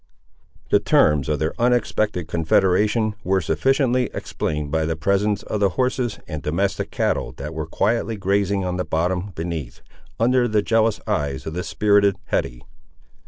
The terms of their unexpected confederation were sufficiently explained, by the presence of the horses and domestic cattle that were quietly grazing on the bottom beneath, under the jealous eyes of the spirited Hetty.